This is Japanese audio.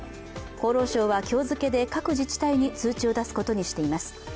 厚労省は今日付で各自治体に通知を出すことにしています。